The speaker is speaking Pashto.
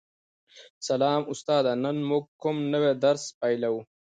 سلام استاده نن موږ کوم نوی درس پیلوو